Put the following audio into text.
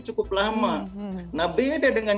cukup lama nah beda dengan